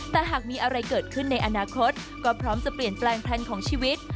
แต่หากมีอะไรเกิดขึ้นในอนาคตก็พร้อมจะเปลี่ยนแปลงแพลนของชีวิต